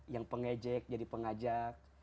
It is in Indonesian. yang pengejek jadi pengajak